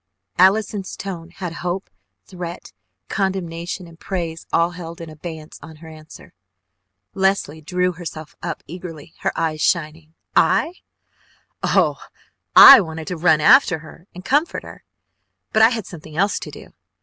Allison's tone had hope, threat, condemnation and praise all held in abeyance on her answer. Leslie drew herself up eagerly, her eyes shining. "I ? Oh I wanted to run after her and comfort her, but I had something else to do.